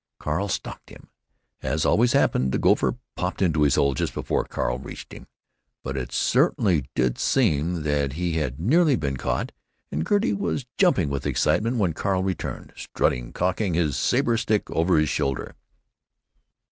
Carl stalked him. As always happened, the gopher popped into his hole just before Carl reached him; but it certainly did seem that he had nearly been caught; and Gertie was jumping with excitement when Carl returned, strutting, cocking his saber stick over his shoulder.